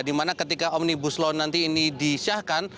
di mana ketika omnibus law nanti ini disyahkan